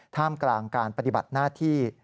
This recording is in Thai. ท่ามกลางการปฏิบัติหน้าที่